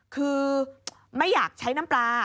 คือไม่อยากใช้น้ำปลา